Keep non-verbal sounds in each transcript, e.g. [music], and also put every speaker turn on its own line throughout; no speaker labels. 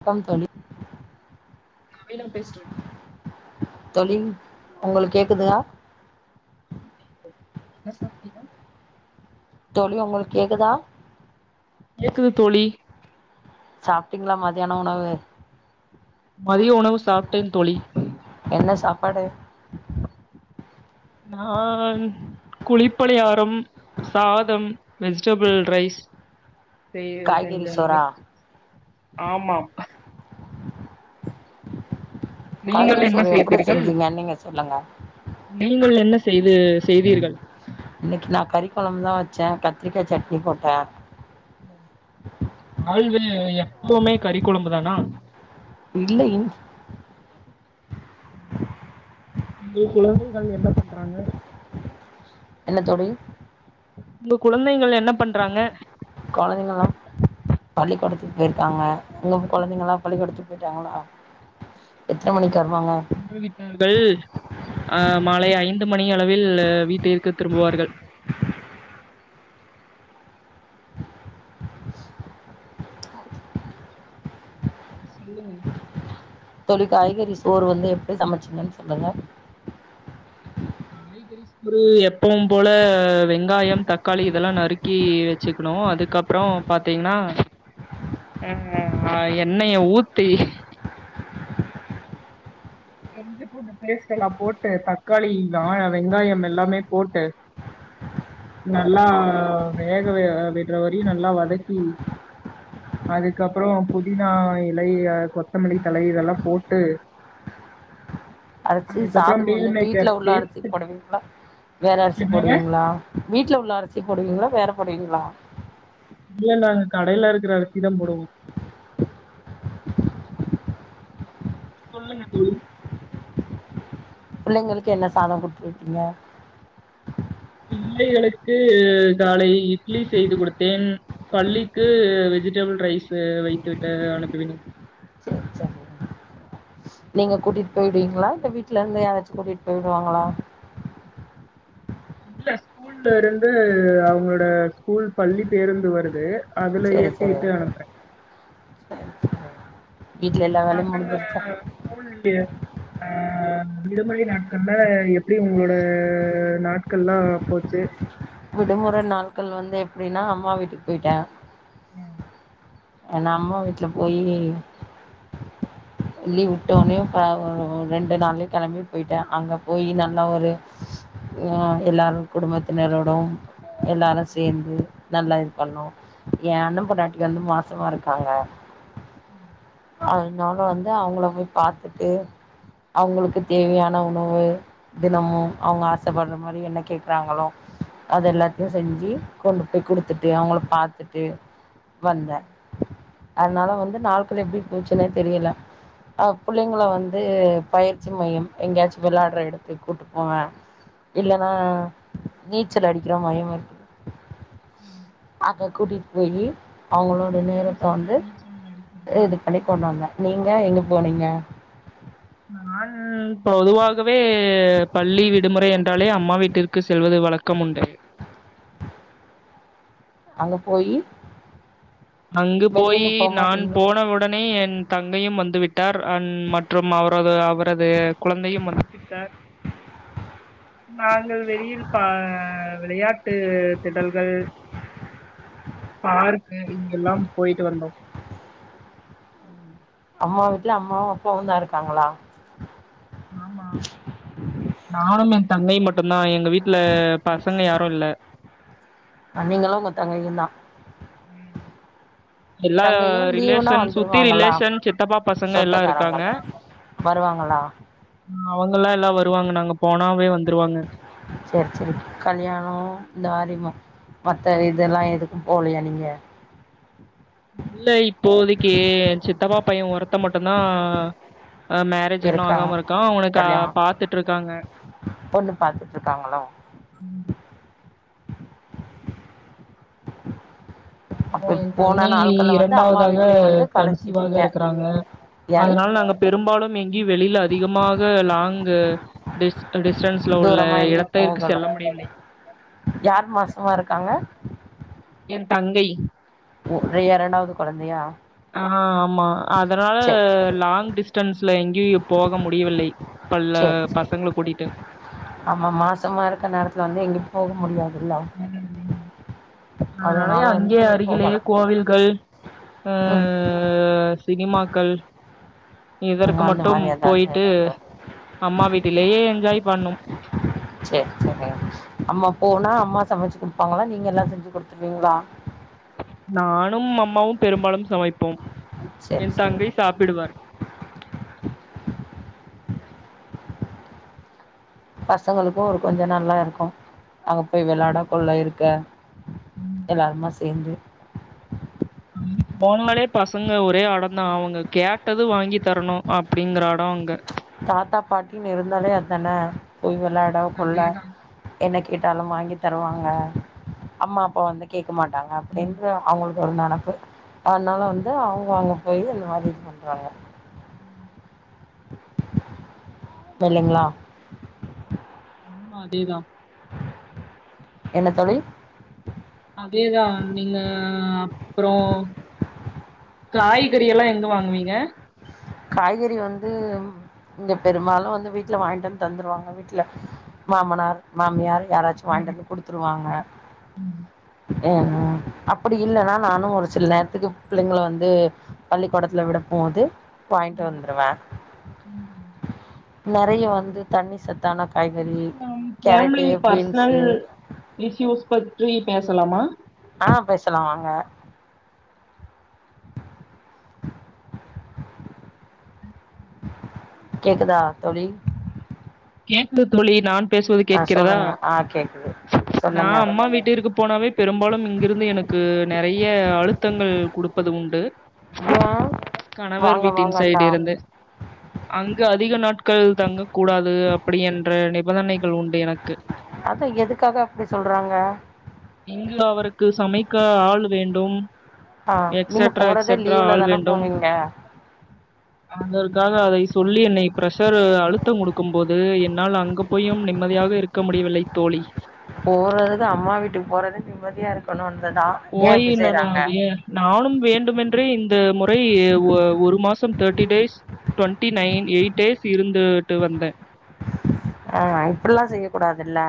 ப்பம் தோழி
நா வெயில பேசட்டு
தோழி உங்களுக்கு கேக்குதா
என்ன சாப்ட்டீங்க
தோலி உங்கள்க் கேக்குதா
கேக்குது தோலி
சாப்ட்டீங்ளா மத்யான உணவு
மதிய உணவு சாப்ட்டேன் தோளி
என்ன சாப்பாடு
நான் குளிப்பனியாரம் சாதம் வெஜ்டபிள் ரைஸ் செய்
காய்கறி
செஞ்சேன்னெ
சோறா
ஆமாம் நீங்கள்
காய்கறி
என்ன
சோறு எப்படி
செய்தீர்கள்
செஞ்சீங்க நீங்க சொல்லுங்க
நீங்கள் என்ன செய்து செய்தீர்கள்
இன்னக்கி நா கறி கொளம்பு தா வச்ச கத்ரிக்கா சட்னி போட்ட
ஆழ்வு எப்பவுமே கறி கொளம்புதானா
இல்லை
உங்க குளந்தைகள் என்ன பண்றாங்க
என்ன தோடி
உங்க குளந்தைங்கள் என்ன பண்றாங்க
கொலந்தைங்கெல்லா பள்ளிக்கூடத்துக்கு போயிருக்காங்க உங்க கொலந்தங்கல்லா பள்ளிகூடத்துக்கு போய்டாங்கலா
வந்தூவிடார்கல் அஹ் மாலை ஐந்து மணி அளவில் வீட்டிற்கு திரும்புவார்கள் சொல்லுங்க
தோளி காய்கறி சோறு வந்து எப்படி சமச்சிங்கன் சொல்லுங்க
காய்கறி சோறு எப்பவு போல வெங்காயம் தக்காளி இதெல்லா நறுக்கி வெச்சுக்ணு அதுக்கப்றோ பாத்தீங்ன்னா அஹ் எண்ணெய ஊத்தி இஞ்சி பூண்டு பிஸ்ட் எல்லா போட்டு தக்காளி வெங்காயம் எல்லாமே போட்டு நல்லா வேக விட்ற வரையு நல்லா வதக்கி அதுக்கப்றோ புதினா இலை கொத்தமல்லி தலை இதெல்லா போட்டு
அரச்சு
அதுக்கப்றோ
சாதம் வந்து
மீல்
வீட்ல
மேக்கர்
உள்ள
சேத்
அரிசி போடுவீங்ளா வேற அரிசி
என்னங்க
போடுவீங்ளா வீட்டுல உள்ள ச்சி போடுவீங்ளா வேற போடுவீங்ளா
இல்ல நாங்க கடையில ருக்குற அரிசிதாம் போடுவோ சொல்லுங்க தோளி
பிள்ளைங்களுக்கு என்ன சாதம் குட்த்துருக்கீங்க
பிள்ளைகளுக்கு காலை இட்லி செய்து கொடுத்தேன் பள்ளிக்கு வெஜிடபிள் ரைஸ் வைத்து விட்டு அனுப்புவிட்
சரி சரி நீங்க கூட்டிட் போயிடுவீங்ளா இல்ல வீட்ல ருந்து யாராச்சு கூட்டிட் போயிடுவாங்களா
இல்ல ஸ்கூல்ல ருந்து அவங்களோட ஸ்கூல் பள்ளி பேருந்து வருது அதுல
சரி சரி
யேத்தீட்டு
சரி
அனுப்றே
சரி வீட்ல எல்லா வேலையு
பசங்க
முடிஞ்சிருச்சா
ஸ்கூல் ஆஹ் விடுமுறை நாட்கள்ல எப்டி உங்ளோட நாட்கள்ல்லா போச்சு
விடுமுறை நாட்கள் வந்து எப்டின்னா அம்மா வீட்டுக்கு போயிட்டே
ம்
நா அம்மா வீட்ல போயி லீவ் விட்டோனியு [unintelligible] ரெண்டு நாள்யே கெளம்பி போய்ட்டே அங்க போயி நல்லா ஒரு எல்லாரு குடும்பத்தினரோடும் எல்லாரு சேந்து நல்லா இது பண்ணோ ஏ அண்ணே பொண்ணாட்டி வந்து மாஸ் சமா இருக்காங்க அதுனால வந்து அவுங்கள போய் பாத்துட்டு அவுங்களுக்கு தேவையான உணவு தினமு அவுங்க ஆசப்பட்ற மாரி என்ன கேக்குறாங்களோ அதெல்லாத்தயு செஞ்சி கொண்டு போய் குடுத்துட்டு அவுங்கள பாத்துட்டு வந்தே அதுனால வந்து நாட்கள் எப்டி போச்சுன்னே தெரியல ஆ புள்ளைங்கள வந்து பயிற்சி மையம் எங்கேயாச்சும் வெளாடுற எடுத்துக்கு கூப்ட்டு போவே இல்லனா நீச்சல் அடிக்கிற மாயு இருக்கு அங்க கூட்டிட் [unintelligible] அவுங்க
நீங்களும்
நேரத்த
சென்று
வந்து
நீச்சல் அடிப்பீங்களா?
இது பண்ணி கொண்டு வந்த நீங்க எங்க போனிங்க
நானு பொதுவாகவே பள்ளி விடுமுறை என்றாலே அம்மா வீட்டிற்கு செல்வது வழக்கம் உண்டு
அங்க போயி
அங்கு
வெளிய
போயி்
எங்கயு
நான்
போமாட்டீங்களா
போன உடனே என் தங்கையும் வந்து விட்டார் அ மற்றும் அவரது அவரது குழந்தையும் வந்து விட்டார் நாங்கள் வெளியில் பா விளையாட்டு திடல்கள் பார்க்கு இங்க எல்லாம் போயிட்டு வந்தோம்
அம்மா வீட்டுல அம்மாவு அப்பாவுந்தா இருக்காங்களா
ஆமா நானுமே தங்கை மட்டுந்தா என் எங்க வீட்டுல பசங்க யாரு இல்ல
நீங்களு உங்க தங்கையுந்தா
எல்லா
தங்கையு லீவுனா
ரிலேஷன் சுத்தி
வந்துருவாங்களா
ரிலேஷன் சித்தப்பா பசங்க எல்லா இருக்காங்க
சொந்தக்காரவங்க வருவாங்களா
அவுங்க எல்லா எல்லா வருவாங்க நாங்க போனாவே வந்துருவாங்க
சேரி சேரி கல்யாணோ இந்த மாரி ம மத்த இதெல்லா எதுக்கு போலையா நீங்க
இல்ல இப்போதைக்கி சித்தப்பா பைய ஒரத் மட்டுந்தா ஹ மேரேஜ் இன்னு
இருக்காங்க
ஆகாம இருக்கா அவனுக்கு
கல்யாணோ
பாத்துட்டு இருக்காங்க
பொண்ணு பாத்துட்டு இருக்காங்களோ
அப்பறோ
அப்ப
ஏ
போன
தங்கை
நாட்கள்ல வந்து அம்மா
இரண்டாவதாக
வீட்லயே வந்து
கன்சிவாக
கலச்சிட்டீங்க
இருக்குறாங்க
யாரு
அதனால நாங்க பெரும்பாலு எங்கயு வெளியில அதிகமாக லாங் டிஸ் டிஸ்டன்ஸ்ல உள்ள
தூரமா எங்கே
இடத்திற்கு
போகல
செல்ல முடியவில்லை
யார் மாசமா இருக்காங்க
என் தங்கை
ஒ இரண்டாவது குழந்தையா
ஆஹ் ஆமா அதனால
சேரி
லாங் டிஸ்டன்ஸ்ல எங்கேயும் போக முடியவில்லை பல்ல
சேரி சேரி
பசங்கள கூட்டிட்டு
ஆமா மாசமா இருக்க நேரத்துல வந்து எங்க போக முடியாது
உம்
அதனால
அதனாலையா அங்கேயே அருகிலேயே கோவில்கள் அ
உம்
சினிமாக்கள் இதற்கு
அந்த
மட்டும்
மாரி
போய்ட்டு
ஏதாவது
அம்மா வீட்டிலேயே என்ஜாய் பண்ணும்
செர் செரி அம்மா போனா அம்மா சேர் சேரி நம்மோ போனா அம்மா சமச்சு குடுப்பாங்குளா நீங்கெல்லா செஞ்சு குடுத்துர்வீங்ளா
நானும் அம் மாவும் பெரும்பாலும் சமைப்போம்
சேரி
என்
சேரி
தங்கை சாப்பிடுவார்
பசங்களுக்கு ஒரு கொஞ்சோ நல்லா இருக்கும் அங்க போய் வெளாட போல இருக்கா எல்லாருமா சேந்து
போம்மலே பசங்க ஒரே அடந்தா அவுங்க கேட்டது வாங்கி தரணு அப்டிங்குற அடோம் அங்க
தாத்தா பாட்டின் இருந்தாலே அதான போய்வெலாடோ கொள்ள
அதேதான்.
என்ன கேட்டாலும் வாங்கி தருவாங்க அம்மா அப்பா வந்து கேக்க மாட்டாங்க அப்டின்ற அவுங்களுக்கு ஒரு நெனப்பு அதனால வந்து அவுங்க அங்க போயி அந்த மாரி இது பண்றாங்க தெர்லைங்ளா
உம் அதேதா
என்ன தோழி
அதேதா நீங்க அப்றோ காய்கறி எல்லா எங்க வாங்குவீங்க
காய்கறி வந்து இங்க பெருமாலு வந்து வீட்ல வாய்ன்ட்வந் தந்துருவாங்க வீட்ல மாமனார் மாமியாரு யாராச்சு வாய்ன்ட்வந்து குடுத்துருவாங்க அஹ் அப்புடி இல்லனா நானு ஒரு சில நேர்த்துக்கு பிள்ளைங்ள வந்து பள்ளிகோடத்துல விடப்போது வாய்ன்ட்வந்ருவ நெறைய வந்து தண்ணி சத்
இதில் நம் ஃபேம்லி பர்ஸ்னல்
பீன்ஸு
இஸ்யூஸ் பற்றி பேசலாமா
ஆஹ் பேசலா வாங்க கேக்குதா தோழி
கேக்குது தோழி நான் பேசுவது
ஆ
கேட்கிறதா
சொல்லுங்க ஆ கேக்குது
நா
சொல்லுங்க
அம்மா வீட்டிறுகு போனாவே பெரும்பாலும் இங்கிருந்து எனக் கூ நெறைய அழுத்தங்கள் குடுப்பது உண்டு
ஏ வாங்க வாங்கன்டா
அங்க அதிக நாட்கள் தங்க கூடா து அப்படி என்ற நிபந்தனைகள் உண்டு எனக்கு
அதா எதுக்காக அப்டி சொல்றாங்க
க்கு சமைக்க ஆளு வேண்டும்
ஆ நீங்க
எக்செட்ரா
போறதே
எக்செட்ரா
லீவ்ல
ஆள்
தான
வேண்டும்
போவீங்க
அதற்காக அதை சொல்லி என்னை பிரெஷரு அழுத்தங் குடு க்கும் போது என்னால் அங்க போயும் நிம்மதியாக இருக்க முடியவில்லை தோழி
போறது அம்மா வீட்டு ஏ
போயி
இப்டி
நானு
செய்றாங்க
அபியே நானும் வேண்டுமென்றே இந்த முறை உ ஒரு மாசம் தேட்டி days twenty nine eight days இருந்துட்டு வந்தே
ஆஹ் இப்டில்லா செய்ய கூடாதுல்ல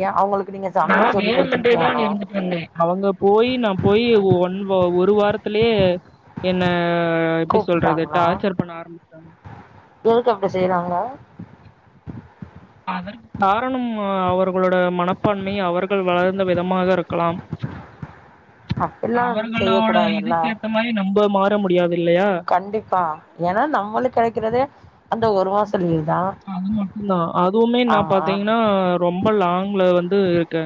ஏ அவுங்களு
நா வேணும்மென்றேதான் இருந்துட்டு வந்தே அவுங்க போயி நா போயி ஒன் வ ஒரு வாரத் திலயே என்ன எப்டி சொல்றது
கூப்ட்டாங்களா
டார்ச்சர் பண்ண ஆரம்பிச்ட்டாங்க
எதுக்கு அப்டி செய்றாங்க
அதற் காரணம் அவர்களோட மனப்பான்மை அவர்கள் வளர்ந்த விதமாக இருக்கலாம்
அப்டிலா வந்து செய்ய
அவர்களோட
கூடாதுல்ல
இதுக்கு ஏத்த மாரி நம்ப மா த முடியாது இல்லையா
கண்டிப்பா ஏனா நம்மளுக் கெடைக்கிறதே அந்த ஒரு மாச லீவ் தா
அது மட்டுந்தா அதுவுமே நா
ஆமா
பாத்தீங்னா ரொம்ப லாங்ல வந்து இருக்கே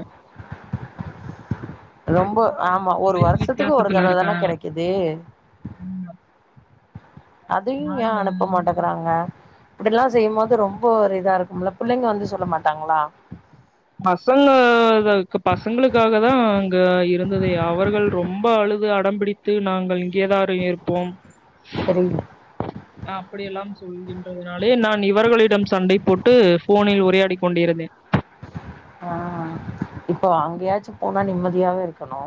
ஆமா
ரொம்ப
ஒரு
[inaudible]
வருஷத்துக்கு ஒரு
வித்தியாசத்துல
தடவ
இருக்கே
தான கெடைக்குது
[inaudible]
அதியு ஏ
நான்
அனுப்ப
இங்க
மாட்டகறாங்க இப்பிடில்லா செய்யும்போது ரொம்ப ஒரு இதா இருக்கும்ல புள்ளைங்க வந்து சொல்ல மாட்டாங்ளா
பசங்க கள்க்கு பசங்களுக்காக தா அங்க இருந்ததே அவர்கள் ரொம்ப அழுது அடம்பிடித்து நாங்கள் இங்கேதா இரு இருப்போம்
செரிங்
அ அப்படியெல்லாம் சொல்கின்றதுனாலே நான் இவர்களிடம் சண்டை போட்டு ஃபோனில் உரையாடி கொண்டிருந்தேன்
ஆஹ் இப்ப அங்கயாச்சு போனா நிம்மதியாக இருக்கணு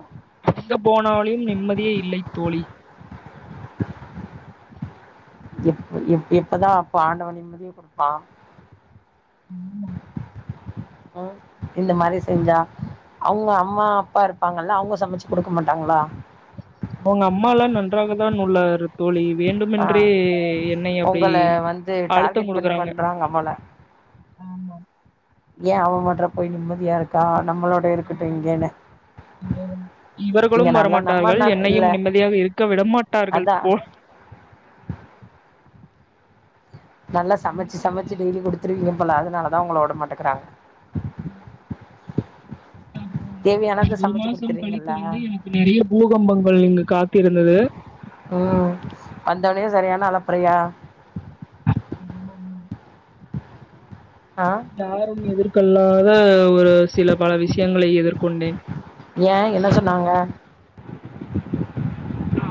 அங்க போனாலியும் நிம்மதியே இல்லை தோழி
எப் இப் எப்பதா அப்ப ஆண்டவ நிம்மதிய குடுப்பா
ஆமா
ஆஹ் இந்த மாரி செஞ்சா அவுங்க அம்மா அப்பா இருப்பாங்கல்ல அவுங்க சமைச்சு குடுக்க மாட்டாங்களா
அவுங்க அம்மாலா நன்றாக தான் உள்ளாரு தோழி
ஆ
வேண்டுமென்றே என்னை அப்டி
உங்கள வந்து
அழுத்தம்
டார்கெட் பண்ணி
குடுக்கறாங்க
பண்றாங்க போல
ஆமா
ஏ அவ மட்ற போய் நிம்மதியா இருக்கா நம்மளோட இருக்கட்டு இங்கேன்னு
ம்
இங்க
இவர்களும்
நல்லா நம்ம
வரமாட்டார்கள்
ந இல்ல
என்னையும் நிம்மதியாக இருக்க விடமாட்டார்கள்
அதா
போல்
நல்லா சமைச்சு
செய்வது
சமைச்சு டெய்லி குடுத்துருவீங்க இல்ல அதனாலதா உங்கள உட மாட்டேங்குறாங்க
அப்பறம்
தேவையானத
ஒரு
சமைச்சு
மாசம் கழித்து
குடுத்துறீங்கல்ல
வந்து எனக்கு நெறய பூகம்பங்கள் இங்கு காத்து இருந்தது
உம் வந்தவுனே சரியான அலப் பறையா
ம் [unintelligible]
ஆ
யாரும் எதிர்கொள்ளாத ஒரு சில பல விஷயங்களை எதிர்கொண்டேன்
ஏ என்ன சொன்னாங்க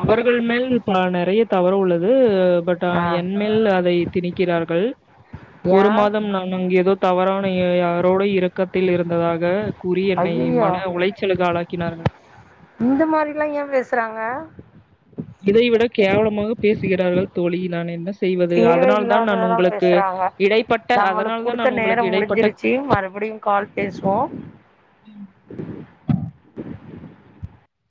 அவர்கள் மேல் ப நெறைய தவறு உள்ளது பட் அ
ஆ
என் மேல் அதை திணிக்கிறார்கள்
ஏ
ஒரு மாதம் நான் அங்கு எதோ தவறான யெ யாரோட இரு பக்கத்தில் இருந்ததாக கூறி என்னை
ஐயய்யோ
மன உளைச்சலுக்கு ஆளாக்கினார்கள்
இந்த மாரில்லா ஏ பேசுறாங்க
இதை விட கேவலமாக பேசுகிறார்கள் தோழி நான் என்ன செய்வது அதனால் தான் நான்
தேவையில்லாததல்லா
உங்களுக்கு
பேசுறாங்க
இடைப்பட்ட
நம்மளுக்
அதனால் தான்
குடுத்த
நான் உங்களுக்கு
நேரம்
இடைப்பட்ட
முடிஞ்சிருச்சி மறுபடியும் கால் பேசுவோ